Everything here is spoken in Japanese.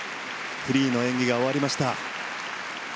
フリーの演技が終わりました。